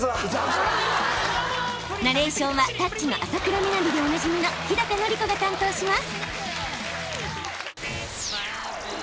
ナレーションは『タッチ』の浅倉南でおなじみの日のり子が担当します！